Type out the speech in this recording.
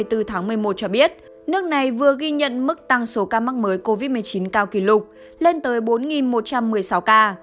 ngày bốn tháng một mươi một cho biết nước này vừa ghi nhận mức tăng số ca mắc mới covid một mươi chín cao kỷ lục lên tới bốn một trăm một mươi sáu ca